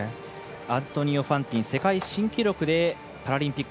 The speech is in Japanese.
アントニオ・ファンティン世界新記録でパラリンピック